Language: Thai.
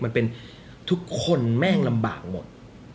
มันเป็นทุกคนแม่งลำบากหมด